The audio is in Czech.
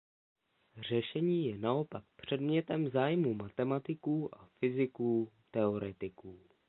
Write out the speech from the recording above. Řešení je naopak předmětem zájmu matematiků a fyziků teoretiků.